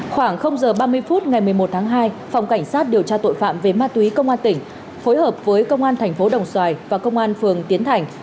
khoảng giờ ba mươi phút ngày một mươi một tháng hai phòng cảnh sát điều tra tội phạm về ma túy công an tỉnh phối hợp với công an thành phố đồng xoài và công an phường tiến thành